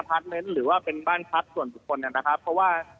อพาร์ทเม้นท์หรือว่าเป็นบ้านพักส่วนทุกคนเนี่ยนะครับเพราะว่า